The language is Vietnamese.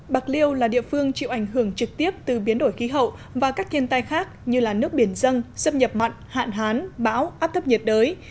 bạc liêu là địa phương chịu ảnh hưởng trực tiếp từ biến đổi khí hậu và các thiên tai khác như nước biển dân xâm nhập mặn hạn hán bão áp thấp nhiệt đới